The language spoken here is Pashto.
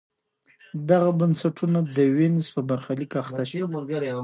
دغه بنسټونه د وینز په برخلیک اخته شول.